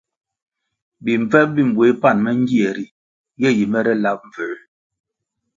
Bimbvep bi mbueh pan me ngie ri ye yi mere lab mbvuē,